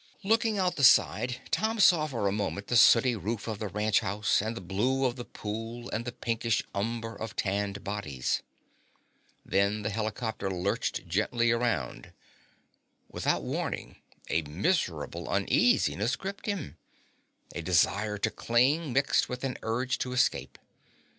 Looking out the side, Tom saw for a moment the sooty roof of the ranch house and the blue of the pool and the pinkish umber of tanned bodies. Then the helicopter lurched gently around. Without warning a miserable uneasiness gripped him, a desire to cling mixed with an urge to escape.